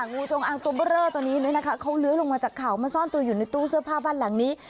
งูจงอางตัวเบอร์เลอร์ตัวนี้นะคะเขาเลื้อยลงมาจากเขามาซ่อนตัวอยู่ในตู้เสื้อผ้าบ้านหลังนี้